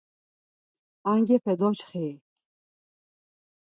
Angepe doçxi-i?